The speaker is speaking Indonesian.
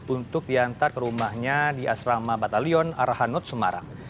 untuk diantar ke rumahnya di asrama batalion arahanut semarang